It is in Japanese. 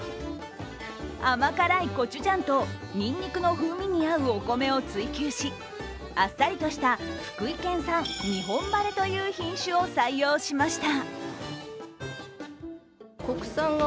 甘辛いコチュジャンとにんにくの風味にあるお米を追求しあっさりとした福井県産・日本晴という品種を採用しました。